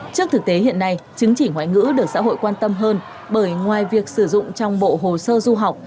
trước thực tế hiện nay chứng chỉ ngoại ngữ được xã hội quan tâm hơn bởi ngoài việc sử dụng trong bộ hồ sơ du học